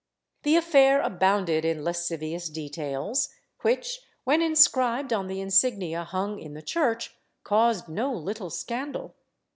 The affair abounded in lascivious details, which, when inscribed on the insignia hung in the church caused no little scandal.